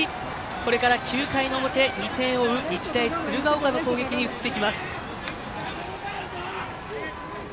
これから９回の表２点を追う、日大鶴ヶ丘の攻撃に移っていきます。